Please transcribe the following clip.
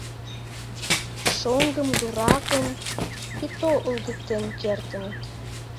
Шоҥгым, дуракым, ито ылгыктен кертыныт.